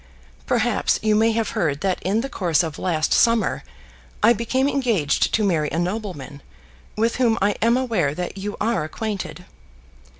"Perhaps you may have heard that in the course of last summer I became engaged to marry a nobleman, with whom I am aware that you are acquainted."